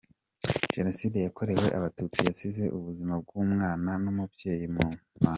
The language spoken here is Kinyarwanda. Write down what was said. Jenoside yakorewe abatutsi yasize ubuzima bw’umwana n’umubyeyi mu manga.